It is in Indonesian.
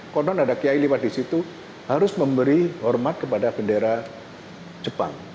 konon ada kiai lewat di situ harus memberi hormat kepada bendera jepang